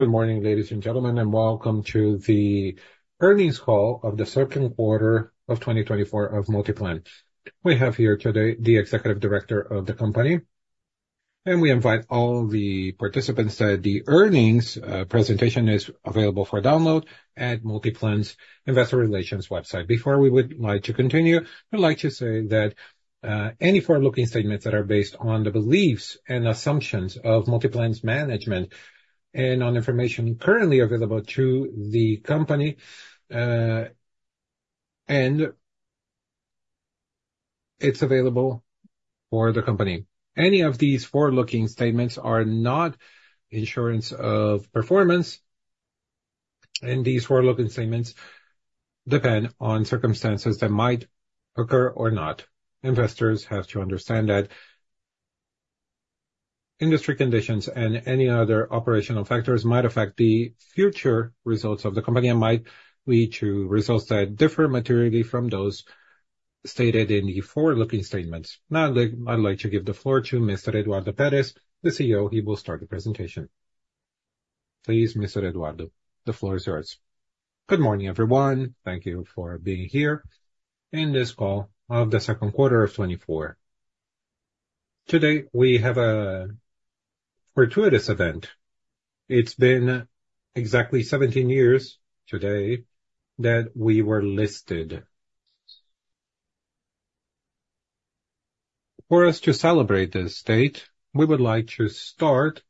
Good morning, ladies and gentlemen, and welcome to the earnings call of the second quarter of 2024 of Multiplan. We have here today the Executive Director of the company, and we invite all the participants that the earnings presentation is available for download at Multiplan Investor Relations website. Before we would like to continue, I'd like to say that any forward-looking statements that are based on the beliefs and assumptions of Multiplan Management and on information currently available to the company, and it's available for the company. Any of these forward-looking statements are not insurance of performance, and these forward-looking statements depend on circumstances that might occur or not. Investors have to understand that industry conditions and any other operational factors might affect the future results of the company and might lead to results that differ materially from those stated in the forward-looking statements. Now, I'd like to give the floor to Mr. Eduardo Peres, the CEO. He will start the presentation. Please, Mr. Eduardo, the floor is yours. Good morning, everyone. Thank you for being here in this call of the second quarter of 2024. Today, we have a fortuitous event. It's been exactly 17 years today that we were listed. For us to celebrate this date, we would like to start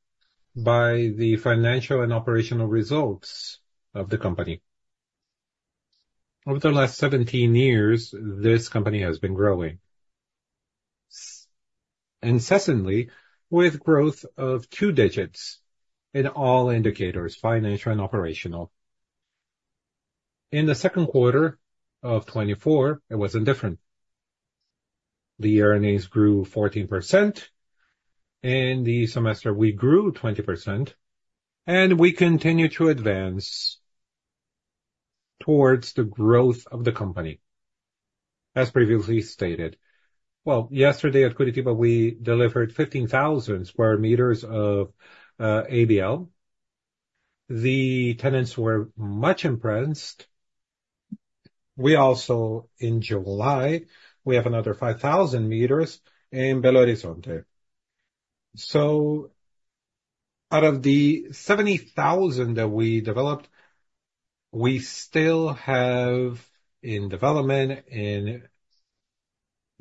by the financial and operational results of the company. Over the last 17 years, this company has been growing incessantly with growth of two digits in all indicators, financial and operational. In the second quarter of 2024, it wasn't different. The earnings grew 14%, and the semester we grew 20%, and we continue to advance towards the growth of the company. As previously stated, well, yesterday at Curitiba, we delivered 15,000 square meters of ABL. The tenants were much impressed. We also, in July, have another 5,000 meters in Belo Horizonte. So, out of the 70,000 that we developed, we still have in development in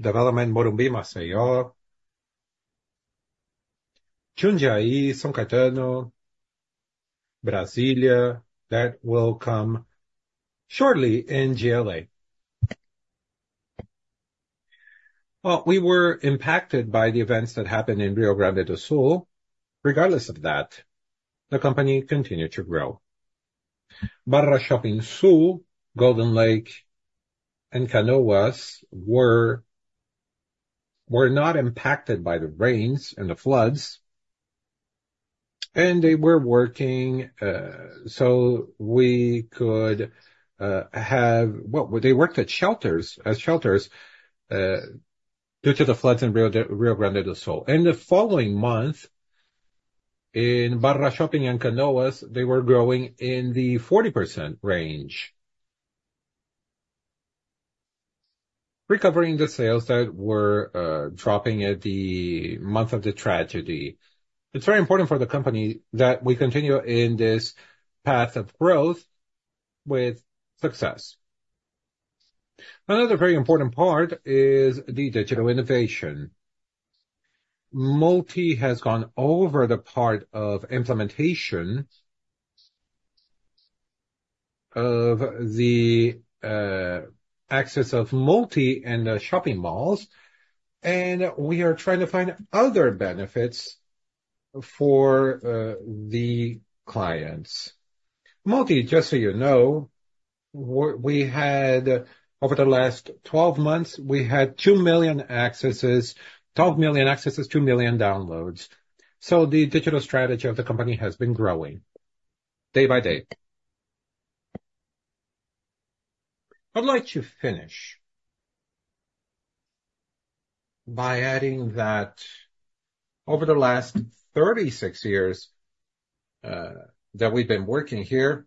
Morumbi, Maceió, Jundiaí, São Caetano, Brasília, that will come shortly in GLA. Well, we were impacted by the events that happened in Rio Grande do Sul. Regardless of that, the company continued to grow. BarraShoppingSul, Golden Lake, and Canoas were not impacted by the rains and the floods, and they were working so we could have, well, they worked at shelters due to the floods in Rio Grande do Sul. In the following month, in BarraShopping and Canoas, they were growing in the 40% range, recovering the sales that were dropping at the month of the tragedy. It's very important for the company that we continue in this path of growth with success. Another very important part is the digital innovation. Multi has gone over the part of implementation of the access of Multi and the shopping malls, and we are trying to find other benefits for the clients. Multi, just so you know, over the last 12 months, we had 2 million accesses, 12 million accesses, 2 million downloads. So, the digital strategy of the company has been growing day by day. I'd like to finish by adding that over the last 36 years that we've been working here,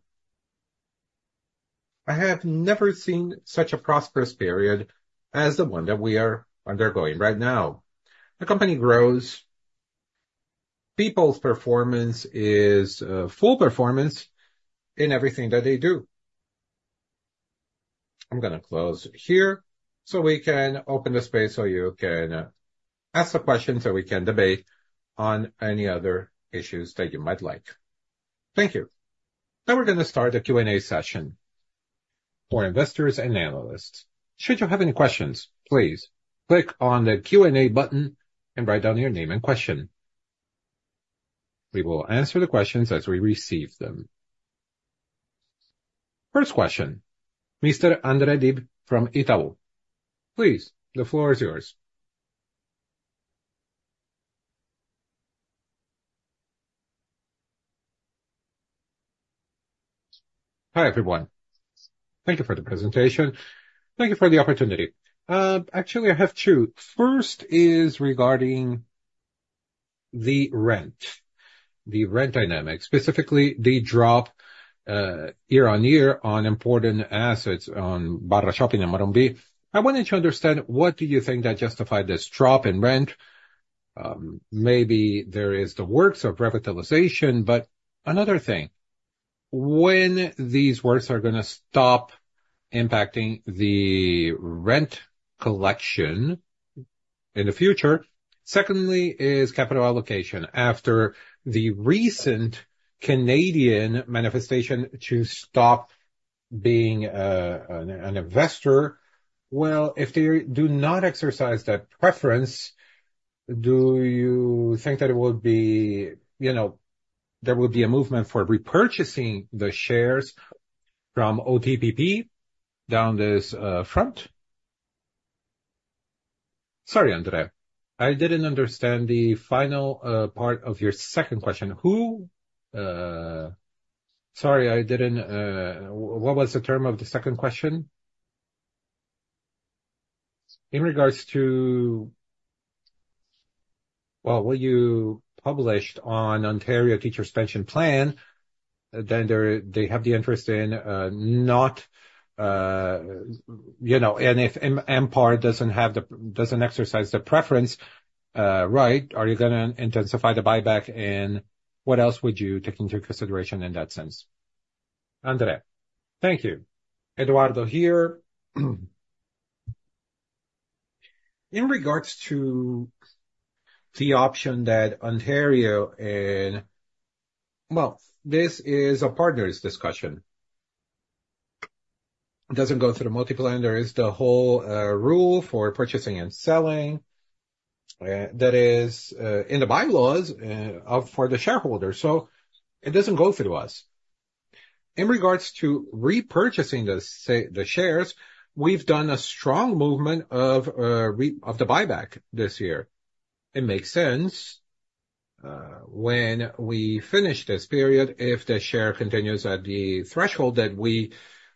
I have never seen such a prosperous period as the one that we are undergoing right now. The company grows. People's performance is full performance in everything that they do. I'm going to close here so we can open the space so you can ask the questions that we can debate on any other issues that you might like. Thank you. Now we're going to start the Q&A session for investors and analysts. Should you have any questions, please click on the Q&A button and write down your name and question. We will answer the questions as we receive them. First question, Mr. André Dibe from Itaú BBA. Please, the floor is yours. Hi, everyone. Thank you for the presentation. Thank you for the opportunity. Actually, I have two. First is regarding the rent, the rent dynamic, specifically the drop year-over-year on important assets on BarraShopping and MorumbiShopping. I wanted to understand what do you think that justified this drop in rent? Maybe there is the works of revitalization, but another thing, when these works are going to stop impacting the rent collection in the future? Secondly is capital allocation. After the recent Canadian manifestation to stop being an investor, well, if they do not exercise that preference, do you think that it would be, there would be a movement for repurchasing the shares from OTPP on this front? Sorry, André. I didn't understand the final part of your second question. Sorry, I didn't—what was the term of the second question? In regards to, well, what you published on Ontario Teachers' Pension Plan, then they have the interest in not—and if Empar doesn't exercise the preference, right, are you going to intensify the buyback? And what else would you take into consideration in that sense? André, thank you. Eduardo here. In regards to the option that Ontario—well, this is a partners' discussion. It doesn't go through Multiplan. There is the whole rule for purchasing and selling that is in the bylaws for the shareholders. So it doesn't go through us. In regards to repurchasing the shares, we've done a strong movement of the buyback this year. It makes sense when we finish this period. If the share continues at the threshold that we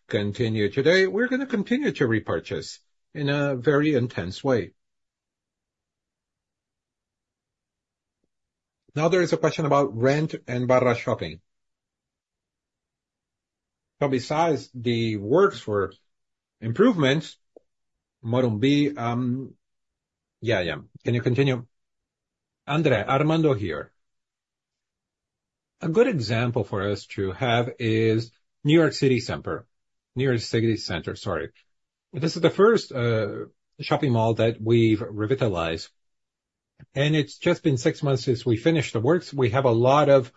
continue today, we're going to continue to repurchase in a very intense way. Now, there is a question about rent and BarraShopping. So besides the works for improvements, MorumbiShopping, yeah, yeah. Can you continue? André, Armando here. A good example for us to have is New York City Center. New York City Center, sorry. This is the first shopping mall that we've revitalized. And it's just been 6 months since we finished the works. We have a lot of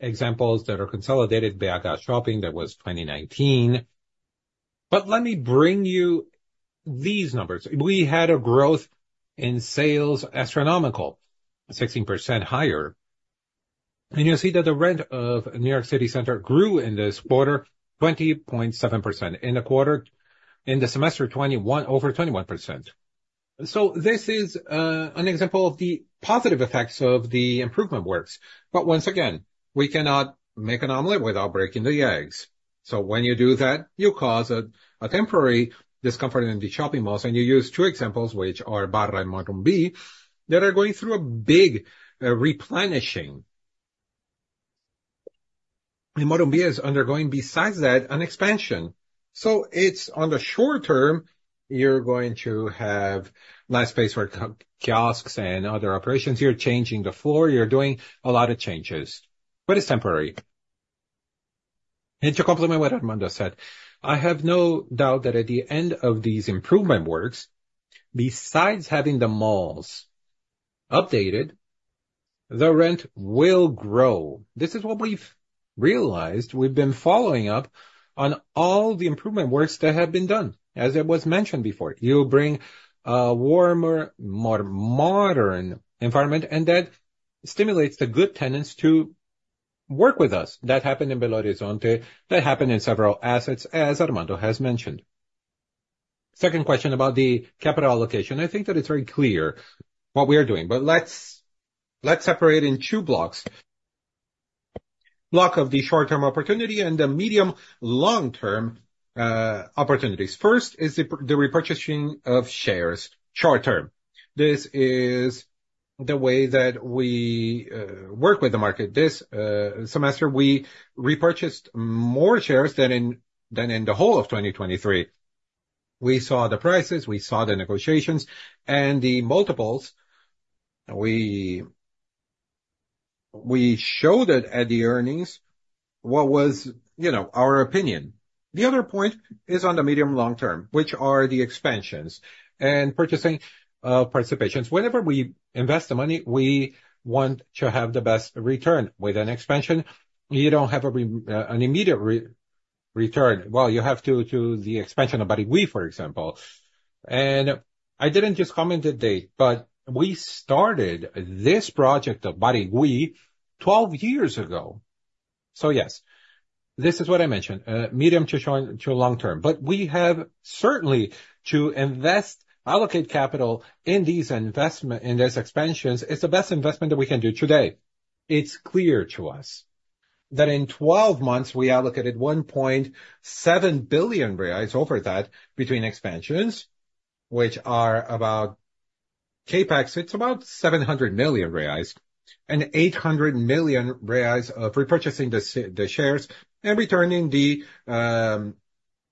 examples that are consolidated by ParkShopping. That was 2019. But let me bring you these numbers. We had a growth in sales astronomical, 16% higher. You see that the rent of New York City Center grew in this quarter, 20.7% in the quarter, in the semester, over 21%. This is an example of the positive effects of the improvement works. But once again, we cannot make an omelet without breaking the eggs. When you do that, you cause a temporary discomfort in the shopping malls. You use two examples, which are Barra and Morumbi, that are going through a big revitalization. Morumbi is undergoing, besides that, an expansion. It's in the short term, you're going to have nice space for kiosks and other operations. You're changing the floor. You're doing a lot of changes, but it's temporary. To complement what Armando said, I have no doubt that at the end of these improvement works, besides having the malls updated, the rent will grow. This is what we've realized. We've been following up on all the improvement works that have been done. As it was mentioned before, you bring a warmer, more modern environment, and that stimulates the good tenants to work with us. That happened in Belo Horizonte. That happened in several assets, as Armando has mentioned. Second question about the capital allocation. I think that it's very clear what we are doing, but let's separate it in two blocks: block of the short-term opportunity and the medium-long-term opportunities. First is the repurchasing of shares, short-term. This is the way that we work with the market. This semester, we repurchased more shares than in the whole of 2023. We saw the prices. We saw the negotiations and the multiples. We showed it at the earnings, what was our opinion. The other point is on the medium-long-term, which are the expansions and purchasing participations. Whenever we invest the money, we want to have the best return. With an expansion, you don't have an immediate return. Well, you have to do the expansion of Barigüi, for example. I didn't just comment the date, but we started this project of Barigüi 12 years ago. So yes, this is what I mentioned: medium to long-term. But we have certainly to invest, allocate capital in these investments in these expansions. It's the best investment that we can do today. It's clear to us that in 12 months, we allocated 1.7 billion reais over that between expansions, which are about CAPEX. It's about 700 million reais and 800 million reais of repurchasing the shares and returning the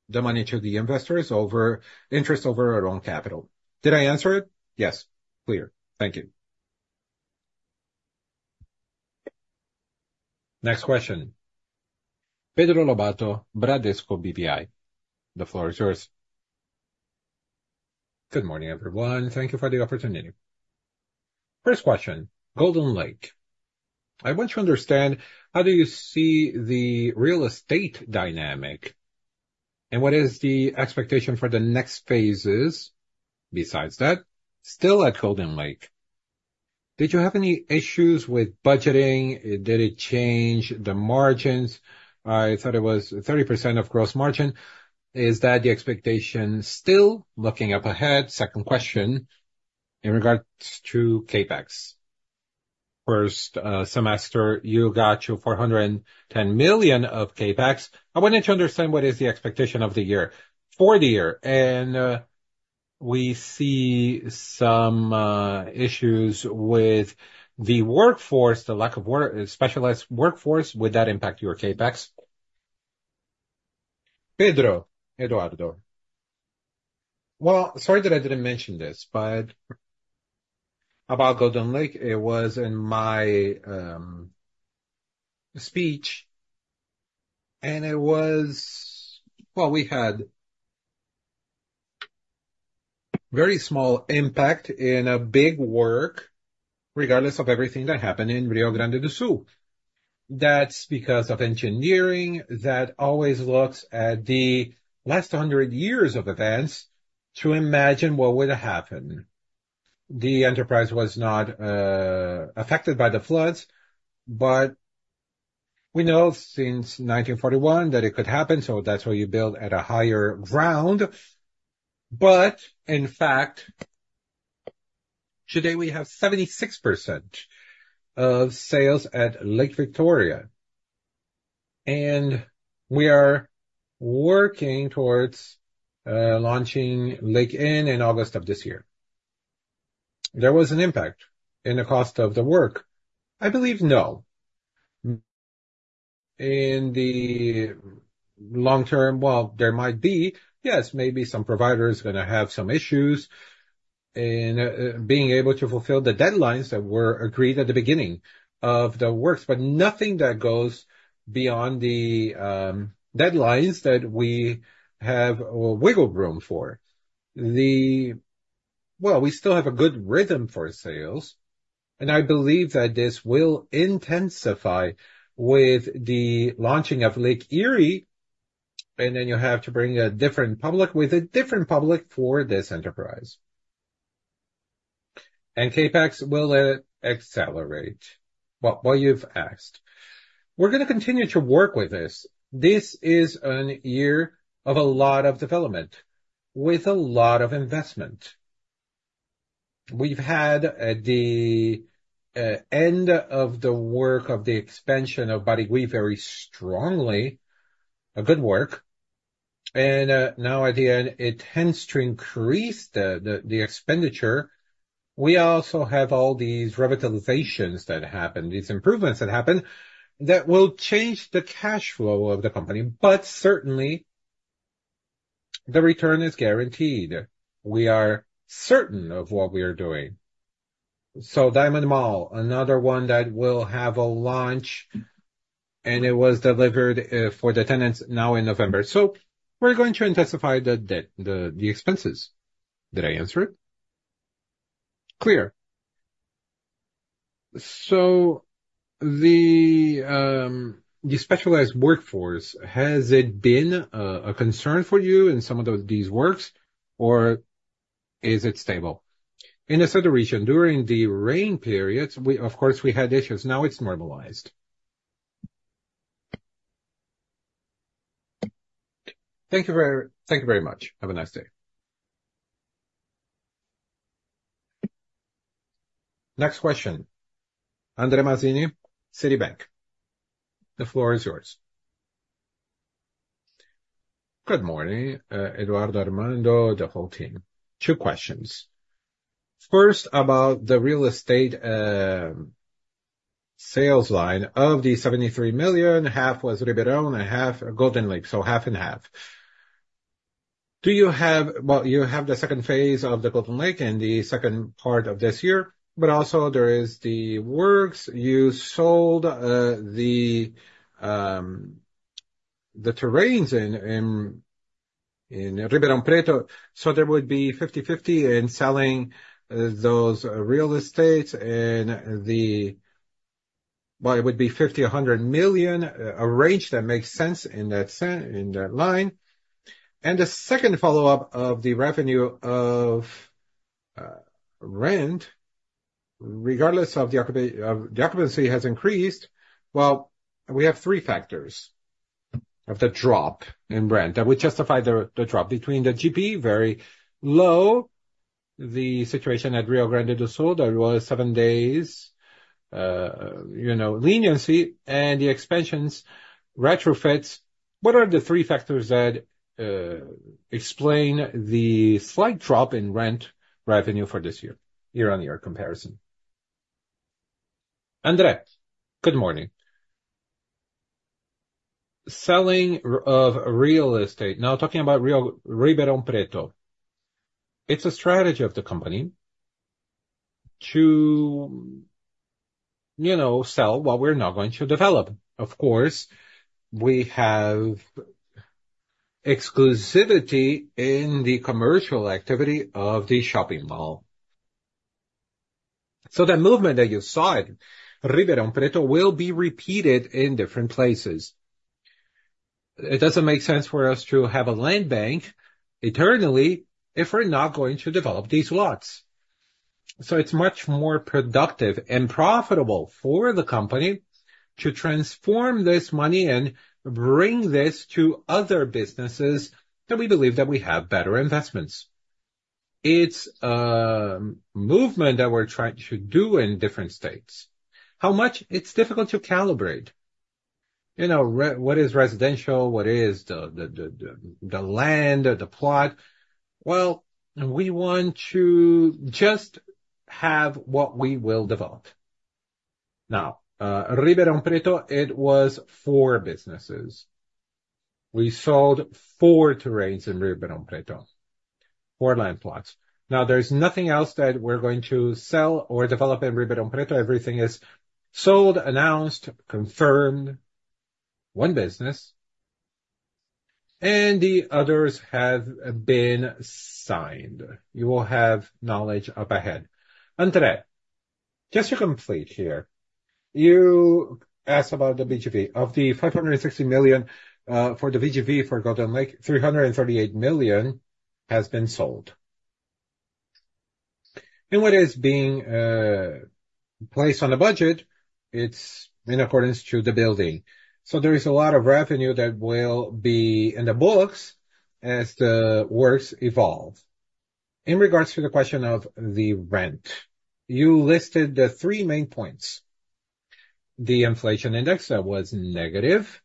money to the investors over interest over our own capital. Did I answer it? Yes. Clear. Thank you. Next question. Pedro Lobato, Bradesco BBI. The floor is yours. Good morning, everyone. Thank you for the opportunity. First question, Golden Lake. I want to understand how do you see the real estate dynamic and what is the expectation for the next phases besides that? Still at Golden Lake. Did you have any issues with budgeting? Did it change the margins? I thought it was 30% of gross margin. Is that the expectation still looking up ahead? Second question in regards to CAPEX. First semester, you got to 410 million of CAPEX. I wanted to understand what is the expectation of the year for the year. We see some issues with the workforce, the lack of specialized workforce. Would that impact your CAPEX? Pedro, Eduardo. Well, sorry that I didn't mention this, but about Golden Lake, it was in my speech, and it was, well, we had very small impact in a big work, regardless of everything that happened in Rio Grande do Sul. That's because of engineering that always looks at the last 100 years of events to imagine what would happen. The enterprise was not affected by the floods, but we know since 1941 that it could happen. So that's why you build at a higher ground. But in fact, today we have 76% of sales at Lake Vitória, and we are working towards launching Lake Eyre in August of this year. There was an impact in the cost of the work. I believe no. In the long term, well, there might be. Yes, maybe some providers are going to have some issues in being able to fulfill the deadlines that were agreed at the beginning of the works, but nothing that goes beyond the deadlines that we have wiggle room for. Well, we still have a good rhythm for sales, and I believe that this will intensify with the launching of Lake Eyre. Then you have to bring a different public with a different public for this enterprise. And CapEx will accelerate. Well, what you've asked. We're going to continue to work with this. This is a year of a lot of development with a lot of investment. We've had the end of the work of the expansion of Barigüi very strongly, a good work. Now at the end, it tends to increase the expenditure. We also have all these revitalizations that happen, these improvements that happen that will change the cash flow of the company. But certainly, the return is guaranteed. We are certain of what we are doing. So DiamondMall, another one that will have a launch, and it was delivered for the tenants now in November. So we're going to intensify the expenses. Did I answer it? Clear. So the specialized workforce, has it been a concern for you in some of these works, or is it stable? In the southern region, during the rain periods, of course, we had issues. Now it's normalized. Thank you very much. Have a nice day. Next question. André Mazini, Citibank. The floor is yours. Good morning, Eduardo, Armando, the whole team. Two questions. First, about the real estate sales line of the 73 million, half was RiverOne and half Golden Lake, so half and half. Do you have—well, you have the second phase of the Golden Lake and the second part of this year, but also there are the works you sold the terrains in Ribeirão Preto. So there would be 50/50 in selling those real estates, and the—well, it would be 50-100 million arranged that makes sense in that line. And the second follow-up of the revenue of rent, regardless of the occupancy has increased. Well, we have three factors of the drop in rent that would justify the drop between the IGP-M, very low, the situation at Rio Grande do Sul that was seven days, leniency, and the expansions, retrofits. What are the three factors that explain the slight drop in rent revenue for this year? Year-on-year comparison. André, good morning. Selling of real estate, now talking about Ribeirão Preto. It's a strategy of the company to sell what we're not going to develop. Of course, we have exclusivity in the commercial activity of the shopping mall. So the movement that you saw at Ribeirão Preto will be repeated in different places. It doesn't make sense for us to have a land bank eternally if we're not going to develop these lots. So it's much more productive and profitable for the company to transform this money and bring this to other businesses that we believe that we have better investments. It's a movement that we're trying to do in different states. How much? It's difficult to calibrate. What is residential? What is the land, the plot? Well, we want to just have what we will develop. Now, Ribeirão Preto, it was four businesses. We sold four terrains in Ribeirão Preto, four land plots. Now, there's nothing else that we're going to sell or develop in Ribeirão Preto. Everything is sold, announced, confirmed, one business. The others have been signed. You will have knowledge up ahead. André, just to complete here, you asked about the VGV. Of the 560 million for the VGV for Golden Lake, 338 million has been sold. And what is being placed on the budget, it's in accordance to the building. So there is a lot of revenue that will be in the books as the works evolve. In regards to the question of the rent, you listed the three main points. The inflation index that was negative,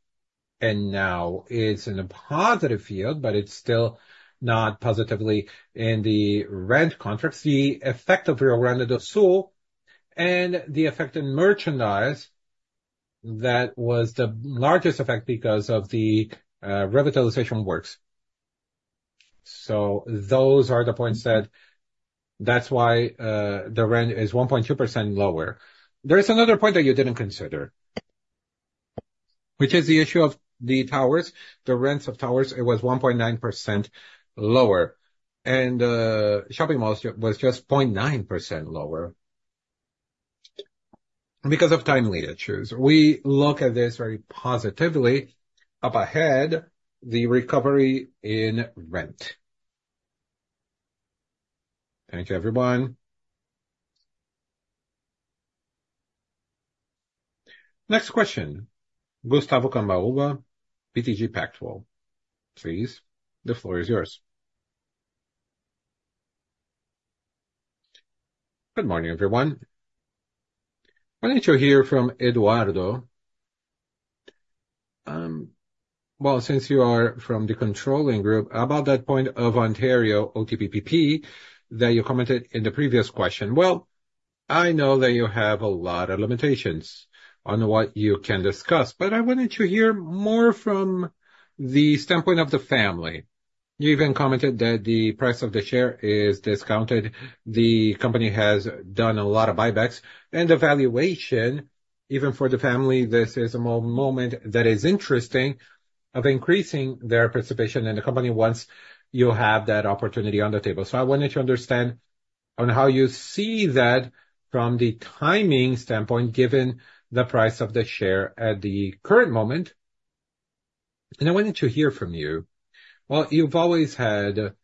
and now it's in a positive field, but it's still not positively in the rent contracts, the effect of Rio Grande do Sul, and the effect in merchandise that was the largest effect because of the revitalization works. So those are the points that that's why the rent is 1.2% lower. There is another point that you didn't consider, which is the issue of the towers. The rents of towers, it was 1.9% lower. And the shopping malls was just 0.9% lower because of timely issues. We look at this very positively up ahead, the recovery in rent. Thank you, everyone. Next question. Gustavo Cambauva, BTG Pactual, please. The floor is yours. Good morning, everyone. I wanted to hear from Eduardo. Well, since you are from the controlling group, about that point of Ontario, OTPP, that you commented in the previous question. Well, I know that you have a lot of limitations on what you can discuss, but I wanted to hear more from the standpoint of the family. You even commented that the price of the share is discounted. The company has done a lot of buybacks, and the valuation, even for the family, this is a moment that is interesting of increasing their participation in the company once you have that opportunity on the table. So I wanted to understand on how you see that from the timing standpoint, given the price of the share at the current moment. And I wanted to hear from you. Well, you've always had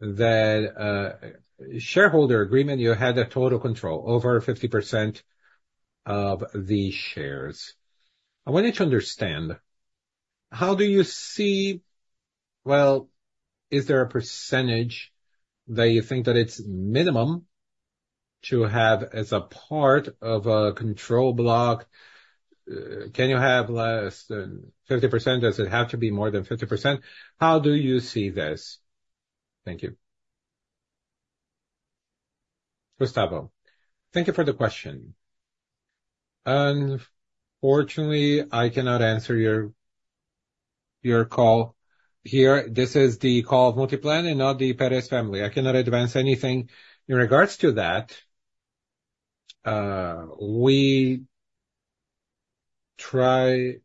that shareholder agreement. You had total control over 50% of the shares. I wanted to understand how do you see, well, is there a percentage that you think that it's minimum to have as a part of a control block? Can you have less than 50%? Does it have to be more than 50%? How do you see this? Thank you. Gustavo, thank you for the question. Unfortunately, I cannot answer your call here. This is the call of Multiplan and not the Peres family. I cannot advance anything in regards to that. We try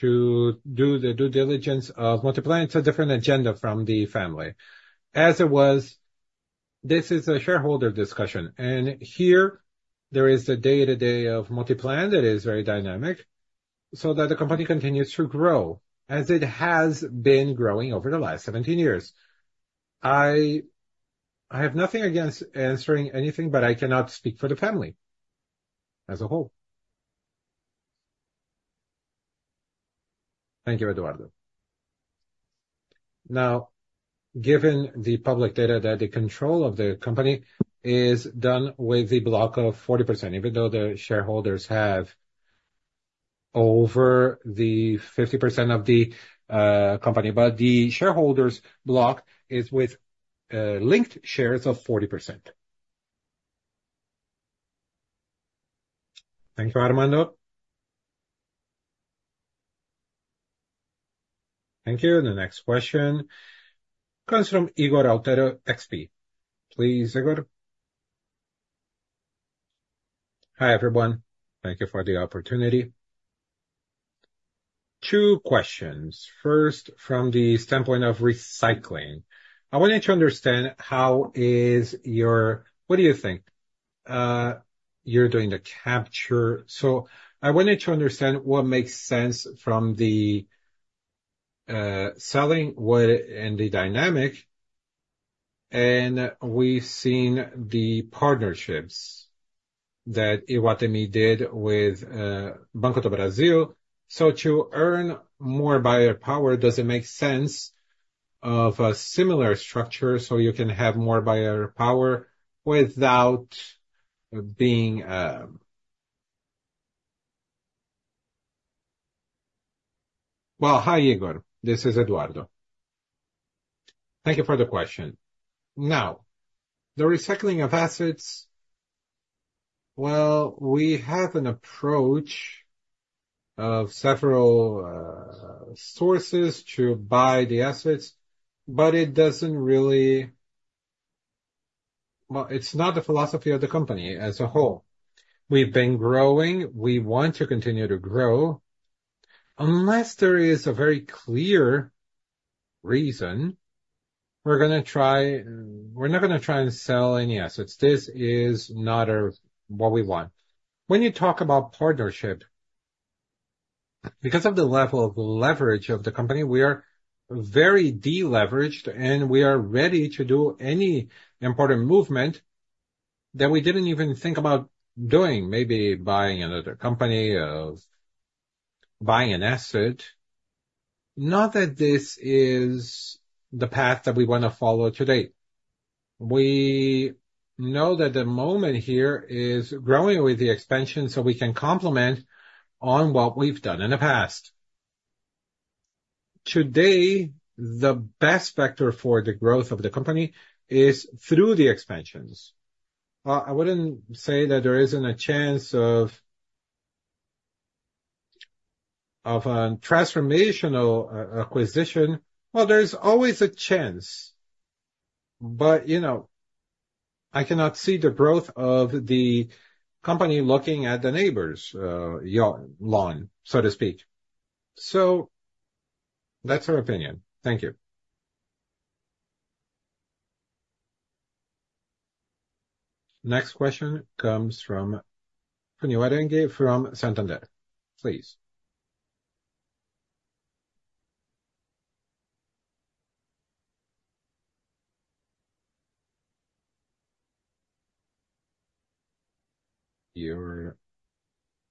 to do the due diligence of Multiplan. It's a different agenda from the family. As it was, this is a shareholder discussion. And here, there is the day-to-day of Multiplan that is very dynamic so that the company continues to grow as it has been growing over the last 17 years. I have nothing against answering anything, but I cannot speak for the family as a whole. Thank you, Eduardo. Now, given the public data that the control of the company is done with the block of 40%, even though the shareholders have over the 50% of the company, but the shareholders' block is with linked shares of 40%. Thank you, Armando. Thank you. The next question comes from Ygor Altero, XP. Please, Ygor. Hi, everyone. Thank you for the opportunity. Two questions. First, from the standpoint of recycling, I wanted to understand how is your—what do you think you're doing to capture? So I wanted to understand what makes sense from the selling, what in the dynamic, and we've seen the partnerships that Iguatemi did with Banco do Brasil. So to earn more buyer power, does it make sense of a similar structure so you can have more buyer power without being—well, Hi, Ygor. This is Eduardo. Thank you for the question. Now, the recycling of assets, well, we have an approach of several sources to buy the assets, but it doesn't really, well, it's not the philosophy of the company as a whole. We've been growing. We want to continue to grow. Unless there is a very clear reason, we're not going to try and sell any assets. This is not what we want. When you talk about partnership, because of the level of leverage of the company, we are very deleveraged, and we are ready to do any important movement that we didn't even think about doing, maybe buying another company or buying an asset. Not that this is the path that we want to follow today. We know that the moment here is growing with the expansion so we can complement on what we've done in the past. Today, the best vector for the growth of the company is through the expansions. Well, I wouldn't say that there isn't a chance of a transformational acquisition. Well, there's always a chance, but I cannot see the growth of the company looking at the neighbor's lawn, so to speak. So that's our opinion. Thank you. Next question comes from Fanny Oreng from Santander. Please. Your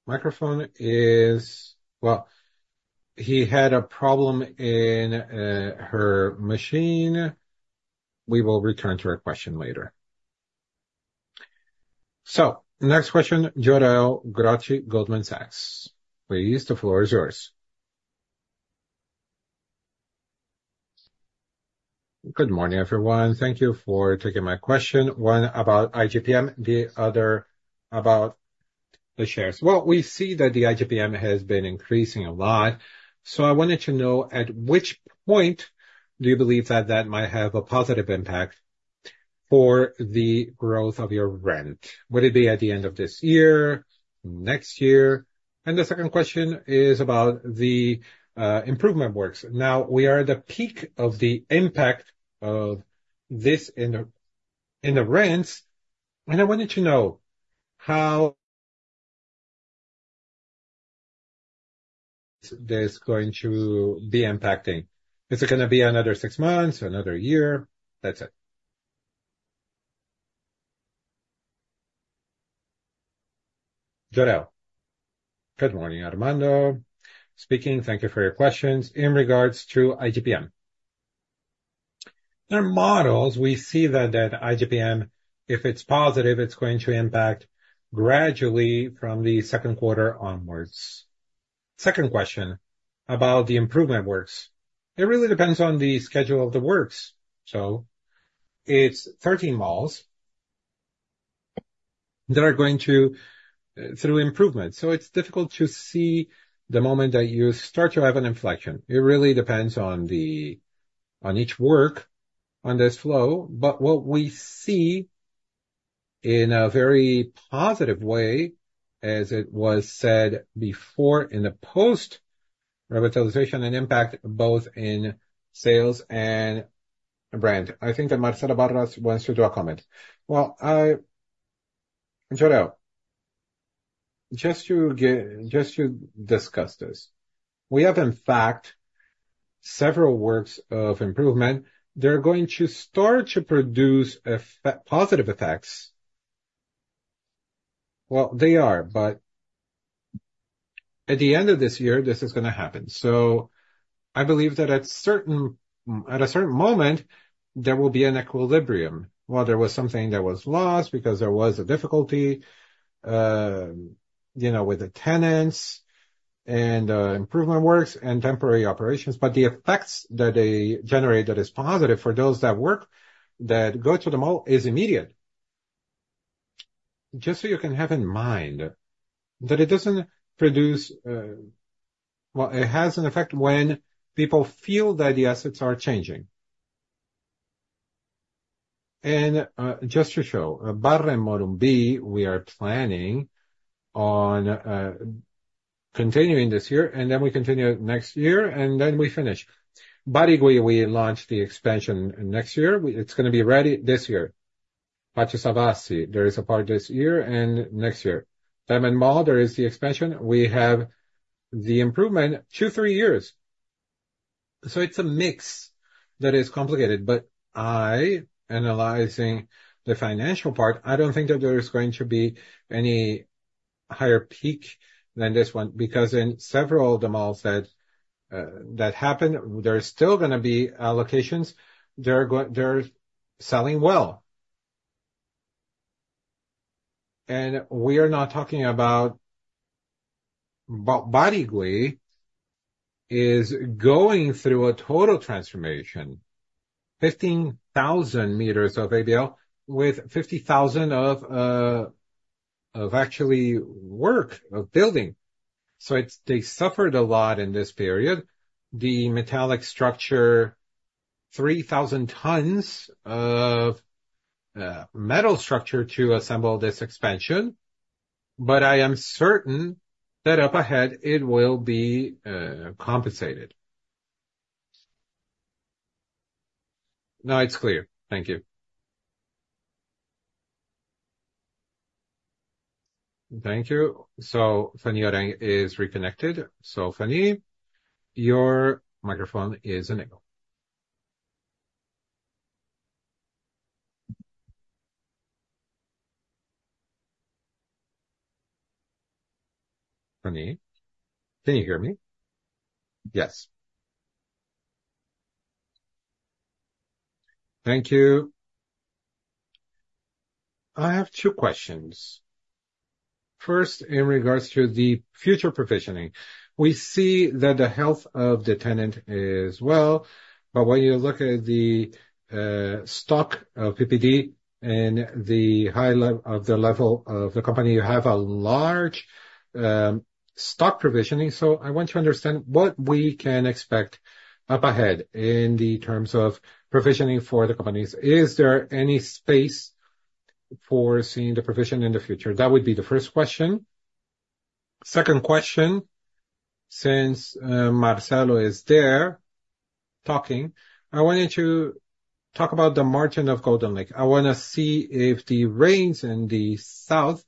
microphone is, well, he had a problem in her machine. We will return to her question later. So next question, Jorel Guilloty, Goldman Sachs. Please, the floor is yours. Good morning, everyone. Thank you for taking my question. One about IGP-M, the other about the shares. Well, we see that the IGP-M has been increasing a lot. So I wanted to know at which point do you believe that that might have a positive impact for the growth of your rent? Would it be at the end of this year, next year? And the second question is about the improvement works. Now, we are at the peak of the impact of this in the rents, and I wanted to know how this is going to be impacting. Is it going to be another six months, another year? That's it. Jorel, good morning, Armando. Speaking, thank you for your questions in regards to IGPM. There are models. We see that IGPM, if it's positive, it's going to impact gradually from the second quarter onwards. Second question about the improvement works. It really depends on the schedule of the works. So it's 13 malls that are going through improvement. So it's difficult to see the moment that you start to have an inflection. It really depends on each work on this flow. But what we see in a very positive way, as it was said before in the post-revitalization and impact both in sales and brand. I think that Marcelo Martins wants to do a comment. Well, Jorel, just to discuss this. We have, in fact, several works of improvement. They're going to start to produce positive effects. Well, they are, but at the end of this year, this is going to happen. So I believe that at a certain moment, there will be an equilibrium. Well, there was something that was lost because there was a difficulty with the tenants and improvement works and temporary operations. But the effects that they generate that is positive for those that work that go to the mall is immediate. Just so you can have in mind that it doesn't produce, well, it has an effect when people feel that the assets are changing. Just to show, Barra & Morumbi, we are planning on continuing this year, and then we continue next year, and then we finish. Barigui, we launched the expansion next year. It's going to be ready this year. Pátio Savassi, there is a part this year and next year. DiamondMall, there is the expansion. We have the improvement two, three years. So it's a mix that is complicated. But I am analyzing the financial part. I don't think that there is going to be any higher peak than this one because in several of the malls that happened, there's still going to be allocations. They're selling well. And we are not talking about Barigui is going through a total transformation, 15,000 meters of ABL with 50,000 of actual work of building. So they suffered a lot in this period. The metallic structure, 3,000 tons of metal structure to assemble this expansion. But I am certain that up ahead, it will be compensated. Now it's clear. Thank you. Thank you. So Fanny Oreng is reconnected. So Fanny, your microphone is enabled. Fanny, can you hear me? Yes. Thank you. I have two questions. First, in regards to the future provisioning, we see that the health of the tenant is well. But when you look at the stock of PPD and the high level of the company you have a large stock provisioning. So I want to understand what we can expect up ahead in terms of provisioning for the companies. Is there any space for seeing the provision in the future? That would be the first question. Second question, since Marcelo is there talking, I wanted to talk about the margin of Golden Lake. I want to see if the rains in the south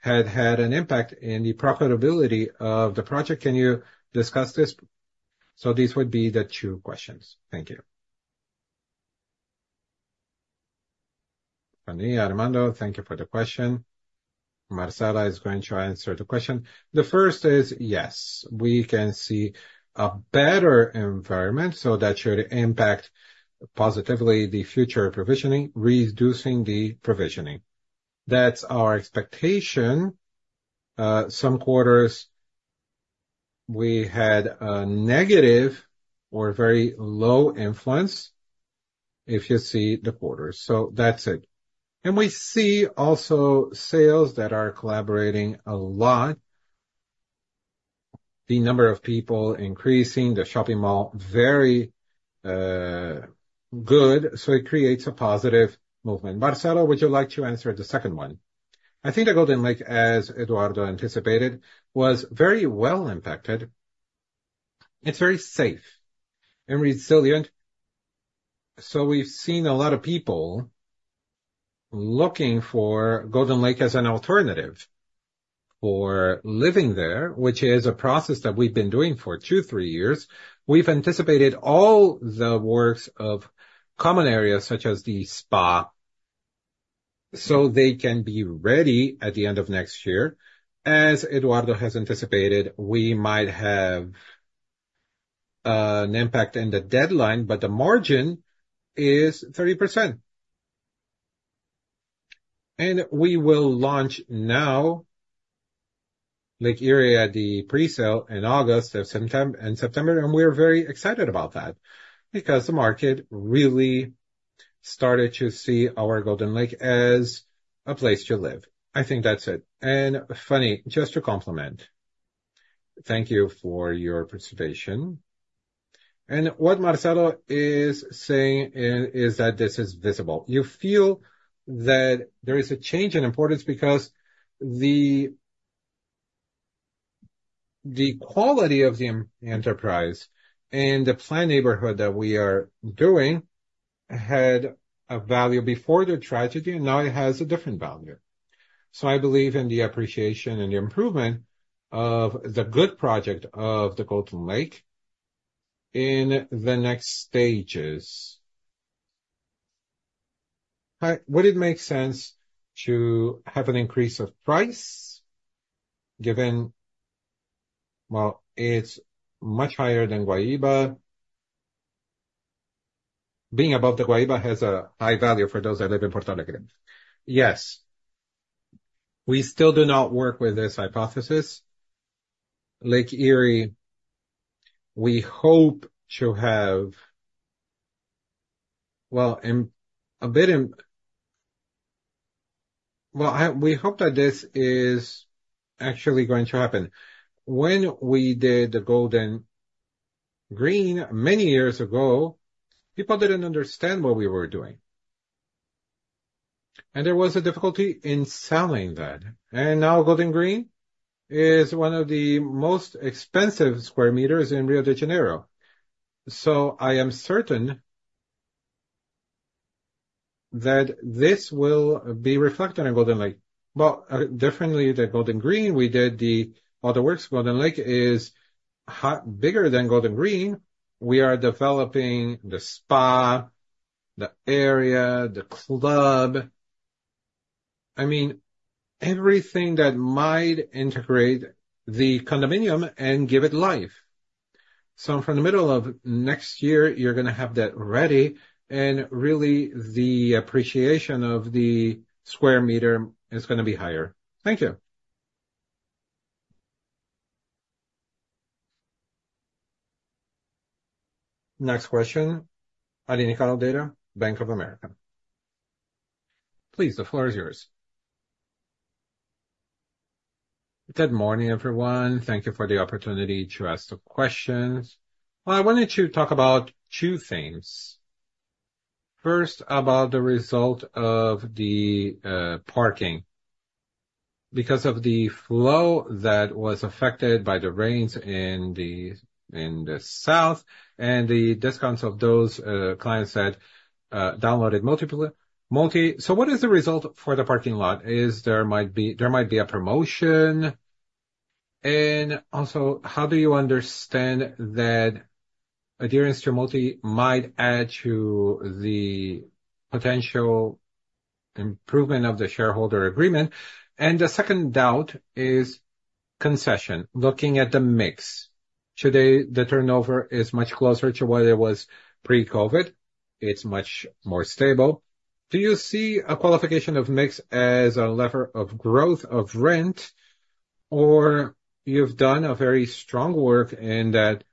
had had an impact in the profitability of the project. Can you discuss this? So these would be the two questions. Thank you. Fanny, Armando, thank you for the question. Marcelo is going to answer the question. The first is yes, we can see a better environment so that should impact positively the future provisioning, reducing the provisioning. That's our expectation. Some quarters, we had a negative or very low influence if you see the quarters. So that's it. And we see also sales that are collaborating a lot. The number of people increasing, the shopping mall very good. So it creates a positive movement. Marcelo, would you like to answer the second one? I think the Golden Lake, as Eduardo anticipated, was very well impacted. It's very safe and resilient. So we've seen a lot of people looking for Golden Lake as an alternative for living there, which is a process that we've been doing for two, three years. We've anticipated all the works of common areas such as the spa so they can be ready at the end of next year. As Eduardo has anticipated, we might have an impact in the deadline, but the margin is 30%. And we will launch now Lake Eyre at the presale in August and September. And we're very excited about that because the market really started to see our Golden Lake as a place to live. I think that's it. And Fanny, just to complement. Thank you for your participation. And what Marcelo is saying is that this is visible. You feel that there is a change in importance because the quality of the enterprise and the planned neighborhood that we are doing had a value before the tragedy, and now it has a different value. So I believe in the appreciation and the improvement of the good project of the Golden Lake in the next stages. Would it make sense to have an increase of price given, well, it's much higher than Guaíba? Being above the Guaíba has a high value for those that live in Porto Alegre. Yes. We still do not work with this hypothesis. Lake Eyre, we hope to have, well, a bit in, well, we hope that this is actually going to happen. When we did the Golden Green many years ago, people didn't understand what we were doing. There was a difficulty in selling that. And now Golden Green is one of the most expensive square meters in Rio de Janeiro. So I am certain that this will be reflected in Golden Lake. Well, definitely the Golden Green, we did the other works, Golden Lake is bigger than Golden Green. We are developing the spa, the area, the club. I mean, everything that might integrate the condominium and give it life. So from the middle of next year, you're going to have that ready. And really, the appreciation of the square meter is going to be higher. Thank you. Next question, Aline Caldeira, Bank of America. Please, the floor is yours. Good morning, everyone. Thank you for the opportunity to ask the questions. Well, I wanted to talk about two things. First, about the result of the parking. Because of the flow that was affected by the rains in the south and the discounts of those clients that downloaded Multi. So what is the result for the parking lot? There might be a promotion. And also, how do you understand that adherence to Multi might add to the potential improvement of the shareholder agreement? And the second doubt is concession. Looking at the mix, today, the turnover is much closer to what it was pre-COVID. It's much more stable. Do you see a qualification of mix as a lever of growth of rent, or you've done a very strong work in that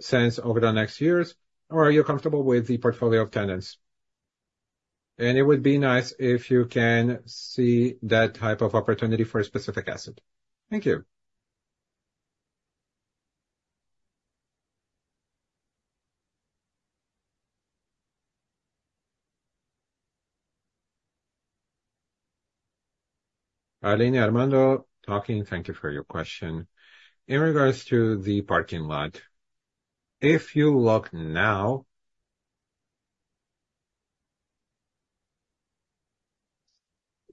sense over the next years, or are you comfortable with the portfolio of tenants? And it would be nice if you can see that type of opportunity for a specific asset. Thank you. Aline, Armando talking. Thank you for your question. In regards to the parking lot, if you look now,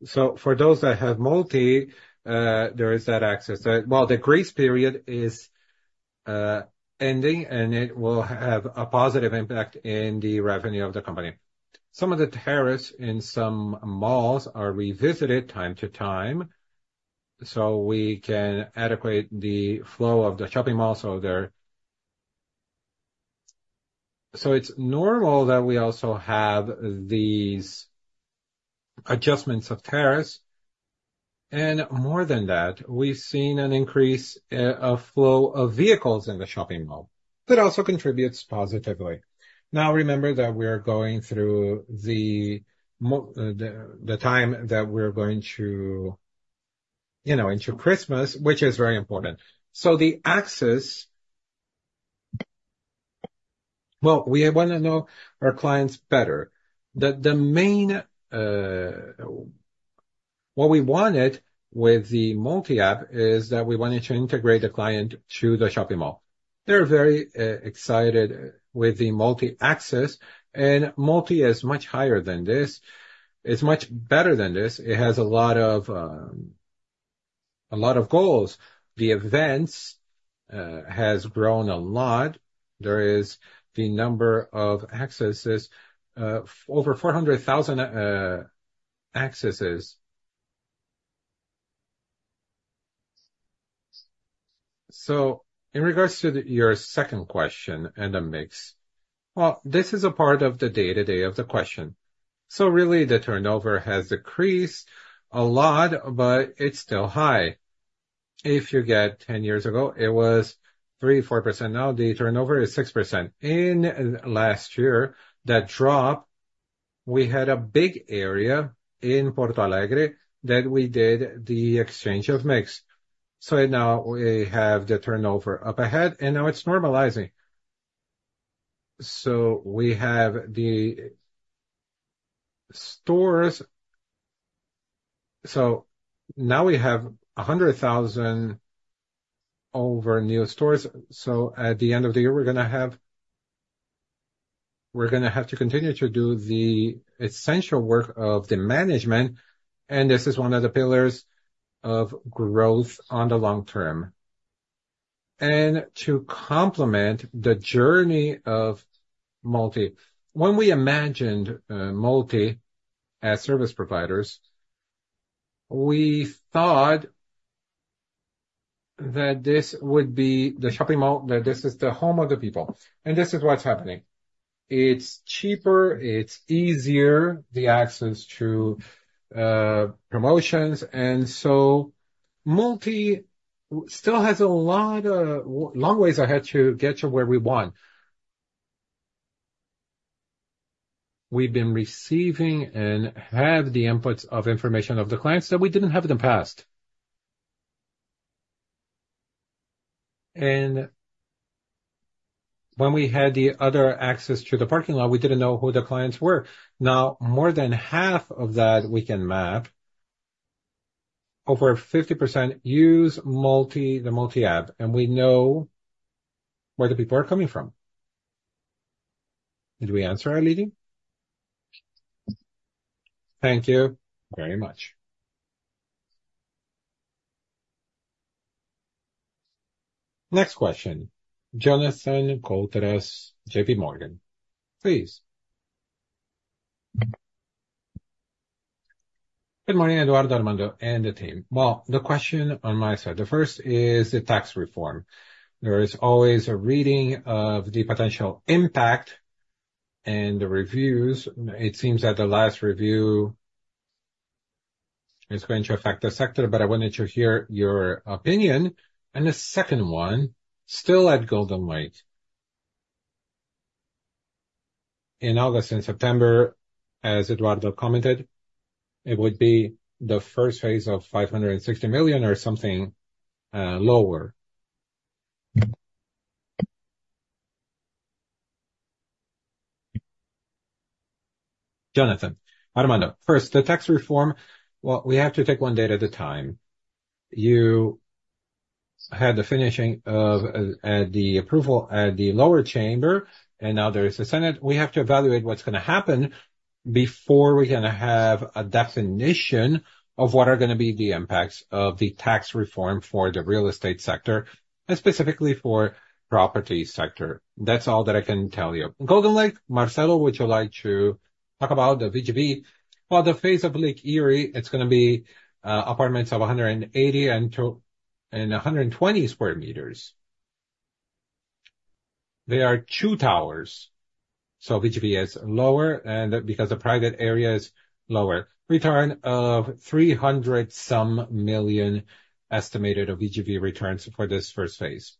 so for those that have Multi, there is that access. Well, the grace period is ending, and it will have a positive impact in the revenue of the company. Some of the tariffs in some malls are revisited from time to time, so we can accommodate the flow of the shopping malls over there. So it's normal that we also have these adjustments of tariffs. And more than that, we've seen an increase of flow of vehicles in the shopping mall. That also contributes positively. Now, remember that we're going through the time that we're going to into Christmas, which is very important. So the access, well, we want to know our clients better. What we wanted with the Multi app is that we wanted to integrate the client to the shopping mall. They're very excited with the Multi Access. Multi is much higher than this. It's much better than this. It has a lot of goals. The events have grown a lot. There is the number of accesses, over 400,000 accesses. So in regards to your second question and the mix, well, this is a part of the day-to-day of the question. So really, the turnover has decreased a lot, but it's still high. If you get 10 years ago, it was 3%-4%. Now, the turnover is 6%. In last year, that drop, we had a big area in Porto Alegre that we did the exchange of mix. So now we have the turnover up ahead, and now it's normalizing. So we have the stores. So now we have 100,000 over new stores. So at the end of the year, we're going to have to continue to do the essential work of the management. And this is one of the pillars of growth on the long term. And to complement the journey of Multi, when we imagined Multi as service providers, we thought that this would be the shopping mall, that this is the home of the people. And this is what's happening. It's cheaper. It's easier, the access to promotions. And so Multi still has a lot of long ways ahead to get to where we want. We've been receiving and have the inputs of information of the clients that we didn't have in the past. And when we had the other access to the parking lot, we didn't know who the clients were. Now, more than half of that we can map. Over 50% use the Multi app, and we know where the people are coming from. Did we answer our leading? Thank you very much. Next question, Jonathan Koutras, J.P. Morgan. Please. Good morning, Eduardo, Armando and the team. Well, the question on my side, the first is the tax reform. There is always a reading of the potential impact and the reviews. It seems that the last review is going to affect the sector, but I wanted to hear your opinion. And the second one, still at Golden Lake. In August and September, as Eduardo commented, it would be the first phase of 560 million or something lower. Jonathan, Armando, first, the tax reform, well, we have to take one day at a time. You had the finishing of the approval at the lower chamber, and now there is a Senate. We have to evaluate what's going to happen before we can have a definition of what are going to be the impacts of the tax reform for the real estate sector and specifically for the property sector. That's all that I can tell you. Golden Lake, Marcelo, would you like to talk about the VGV? Well, the phase of Lake Eyre, it's going to be apartments of 180 sq m and 120 sq m. There are two towers. So VGV is lower because the private area is lower. Return of 300-some million estimated of VGV returns for this first phase.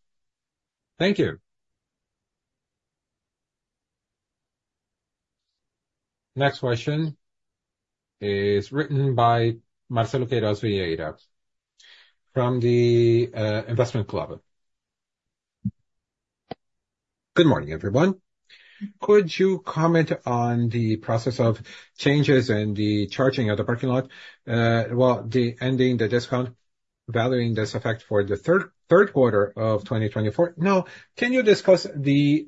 Thank you. Next question is written by Marcelo Queiroz Vieira from the Investment Club. Good morning, everyone. Could you comment on the process of changes in the charging at the parking lot? Well, the ending, the discount, valuing this effect for the third quarter of 2024. Now, can you discuss the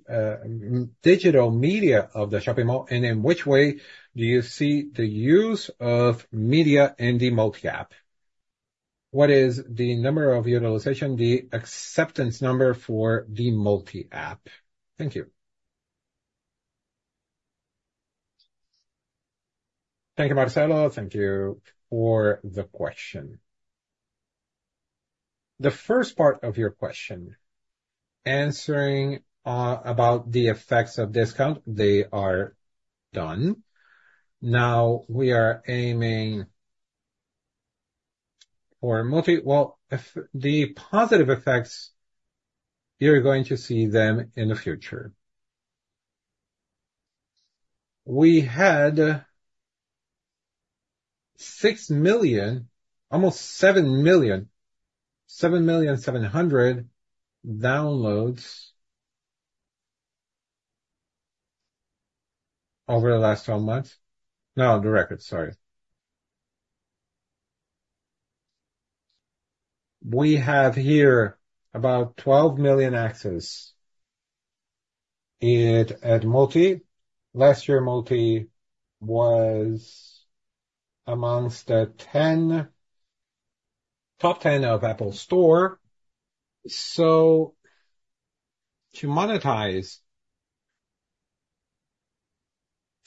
digital media of the shopping mall, and in which way do you see the use of media in the Multi app? What is the number of utilization, the acceptance number for the Multi app? Thank you. Thank you, Marcelo. Thank you for the question. The first part of your question, answering about the effects of discount, they are done. Now, we are aiming for Multi. Well, the positive effects, you're going to see them in the future. We had 6 million, almost 7 million, 7,700 downloads over the last 12 months. No, the record, sorry. We have here about 12 million access at Multi. Last year, Multi was amongst the top 10 of App Store. So to monetize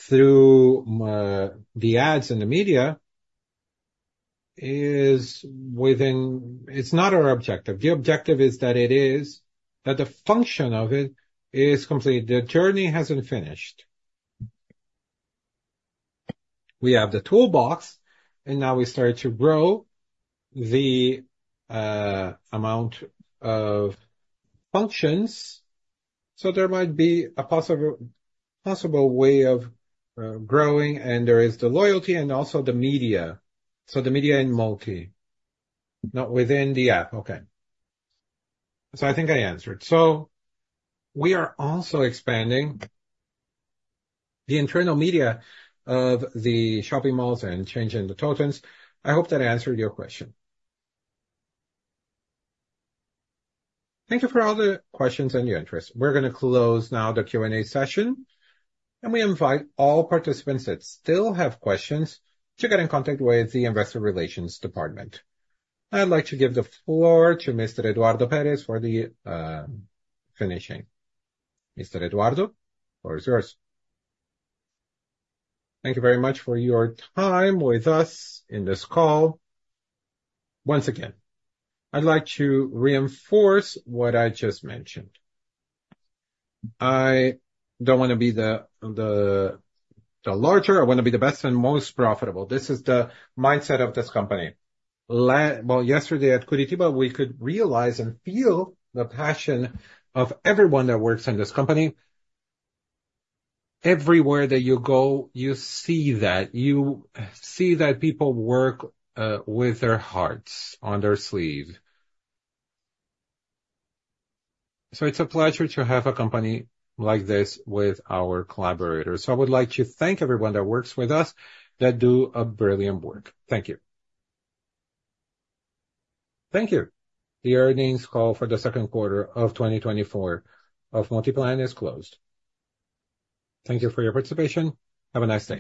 through the ads and the media is within it's not our objective. The objective is that it is that the function of it is complete. The journey hasn't finished. We have the toolbox, and now we start to grow the amount of functions. So there might be a possible way of growing, and there is the loyalty and also the media. So the media in Multi, not within the app. Okay. So I think I answered. So we are also expanding the internal media of the shopping malls and changing the tokens. I hope that I answered your question. Thank you for all the questions and your interest. We're going to close now the Q&A session. And we invite all participants that still have questions to get in contact with the Investor Relations Department. I'd like to give the floor to Mr. Eduardo Peres for the finishing. Mr. Eduardo, the floor is yours. Thank you very much for your time with us in this call. Once again, I'd like to reinforce what I just mentioned. I don't want to be the larger. I want to be the best and most profitable. This is the mindset of this company. Well, yesterday at Curitiba, we could realize and feel the passion of everyone that works in this company. Everywhere that you go, you see that. You see that people work with their hearts on their sleeve. It's a pleasure to have a company like this with our collaborators. I would like to thank everyone that works with us that do a brilliant work. Thank you. Thank you. The earnings call for the second quarter of 2024 of Multiplan is closed. Thank you for your participation. Have a nice day.